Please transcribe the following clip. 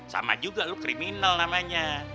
sama juga loh kriminal namanya